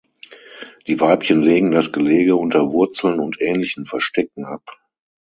Die Weibchen legen das Gelege unter Wurzeln und ähnlichen Verstecken ab.